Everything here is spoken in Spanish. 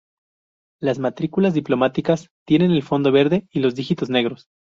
Las matrículas diplomáticas tienen el fondo verde y los dígitos negros.